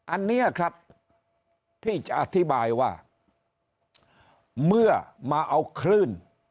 อันนี้ครับที่จะอธิบายว่าเมื่อมาเอาคลื่น